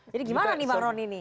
jadi gimana nih bang ron ini